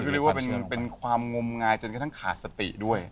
คือเรียกว่าเป็นความงมงายจนกระทั่งขาดสติด้วย